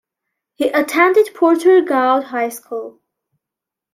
He attended Porter-Gaud High School.